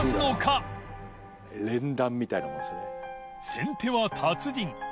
先手は達人）